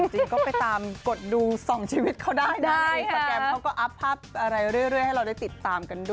จริงก็ไปตามกดดูส่องชีวิตเขาได้นะในอินสตาแกรมเขาก็อัพภาพอะไรเรื่อยให้เราได้ติดตามกันด้วย